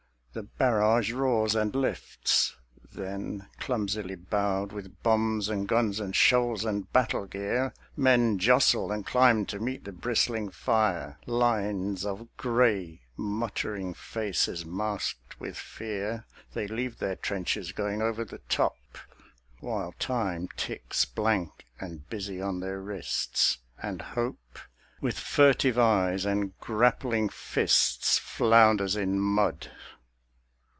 The barrage roars and lifts. Then, clumsily bowed With bombs and guns and shovels and battle gear, Men jostle and climb to meet the bristling fire. Lines of grey, muttering faces, masked with fear, They leave their trenches, going over the top, While time ticks blank and busy on their wrists, And hope, with furtive eyes and grappling fists, Flounders in mud.